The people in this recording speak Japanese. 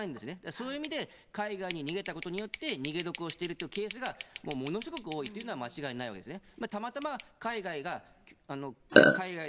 そういう意味で、海外に逃げたことによって、逃げ得をしているというケースが、もうものすごく多いというのは間違いないわけですね。